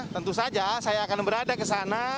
tentu saja saya akan berada ke sana